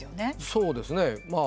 そうですね。